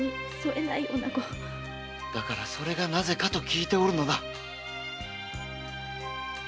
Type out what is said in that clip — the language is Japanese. だからそれがなぜかと聞いておるのだ。